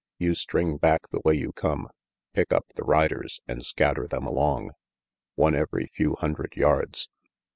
You string back the way you come, pick up the riders and scatter them along, one every few hundred yards.